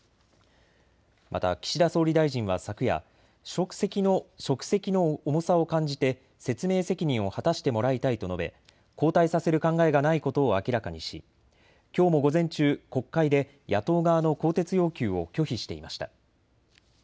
また岸田総理大臣は昨夜、職責の重さを感じて説明責任を果たしてもらいたいと述べ交代させる考えがないことを明らかにしきょうも午前中、国会で野党側の更迭要求を拒否していました。